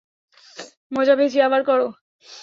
মজা পেয়েছি, আবার করো।